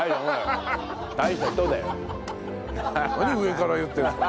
何上から言ってるんですか。